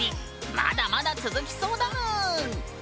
まだまだ続きそうだぬん！